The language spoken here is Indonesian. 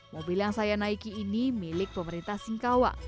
mobil yang saya naiki ini milik pemerintah singkawa